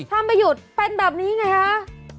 ถ้าไม่หยุดเป็นแบบนี้ไงคะ